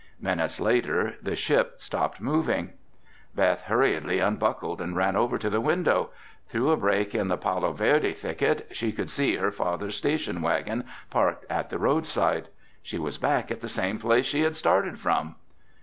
Minutes later, the ship stopped moving. Beth hurriedly unbuckled and ran over to the window. Through a break in the paloverde thicket she could see her father's station wagon parked at the roadside. She was back at the same place she had started from.